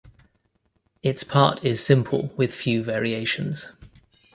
Its part is simple with few variations.